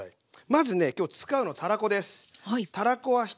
まずね今日使うのはたらこです。